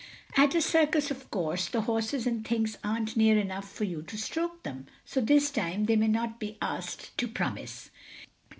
At a circus, of course, the horses and things aren't near enough for you to stroke them, so this time they might not be asked to promise.